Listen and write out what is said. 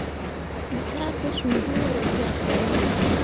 Mo ɗah tesũũ huro yak ɓene.